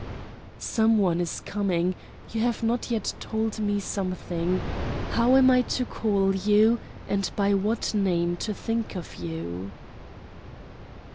"Some one is coming. You have not yet told me something. How am I to call you, and by what name to think of you?"